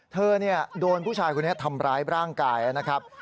เธอโดนผู้ชายคนนี้ทำร้ายร่างกายนะครับ